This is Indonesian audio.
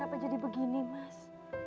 kenapa jadi begini mas